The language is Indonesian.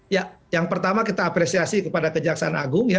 ya yang pertama kita apresiasi kepada kejaksaan agung ya